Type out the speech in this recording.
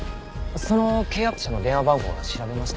その契約者の電話番号は調べました？